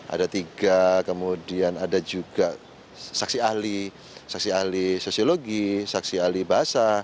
ada tiga kemudian ada juga saksi ahli saksi ahli sosiologi saksi ahli bahasa